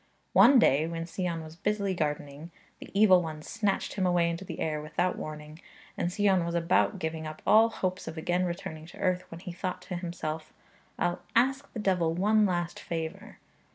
One day when Sion was busily gardening, the evil one snatched him away into the air without warning, and Sion was about giving up all hopes of again returning to earth, when he thought to himself, 'I'll ask the devil one last favour.'